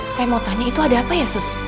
saya mau tanya itu ada apa ya sus